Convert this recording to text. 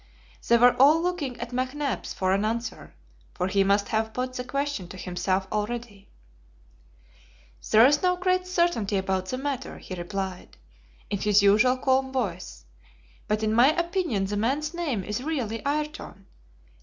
They were all looking at McNabbs for an answer, for he must have put the question to himself already. "There is no great certainty about the matter," he replied, in his usual calm voice; "but in my opinion the man's name is really Ayrton.